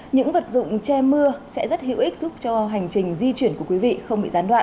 những vật dụng che mưa sẽ rất hữu ích giúp cho hành trình di chuyển của quý vị không bị gián đoạn